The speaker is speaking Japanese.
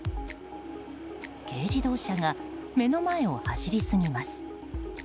軽自動車が目の前を走りすぎます。